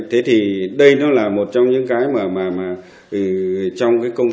thế thì cái đấy là ngay từ đầu chúng tôi lại phải tính toán ngay đến cái việc đi tìm tung tích nạn nhân ngay từ ban đầu